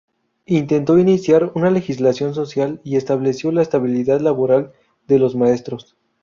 Intentó iniciar una legislación social y estableció la estabilidad laboral de los maestros.